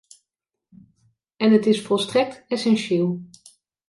En het is volstrekt essentieel.